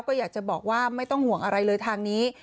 ก็อยากจะบอกว่าไม่ต้องห่วงอะไรเลยทางนี้